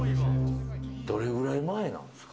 どれぐらい前なんですか？